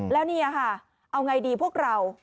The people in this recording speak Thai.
แล้วนี่เอาอย่างไรดีพวกเรา